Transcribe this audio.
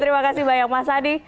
terima kasih banyak mas adi